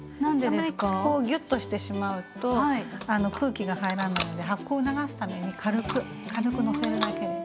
あまりここをぎゅっとしてしまうと空気が入らないので発酵を促すために軽くのせるだけで。